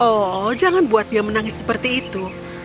oh jangan buat dia menangis seperti itu